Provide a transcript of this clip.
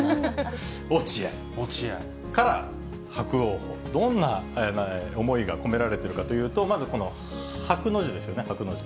落合から伯桜鵬、どんな思いが込められているかというと、まずこの伯の字ですよね、伯の字。